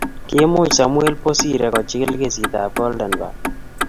Kiimuch samuel bosire kochigil kesitap goldenberg